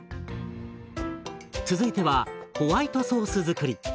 続いてはホワイトソース作り。